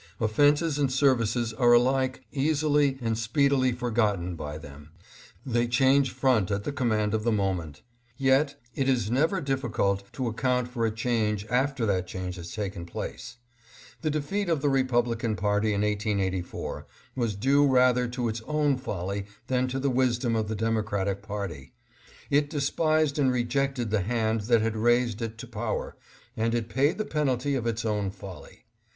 Offenses and services are alike easily and speedily forgotten by them. They change front at the com mand of the moment. Yet it is never difficult to CAUSES OF THE REPUBLICAN DEFEAT. 671 account for a change after that change has taken place. The defeat of the Republican party in 1884 was due rather to its own folly than to the wisdom of the Demo cratic party. It despised and rejected the hand that had raised it to power, and it paid the penalty of its own folly.